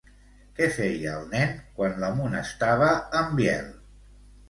Què feia el nen quan l'amonestava en Biel?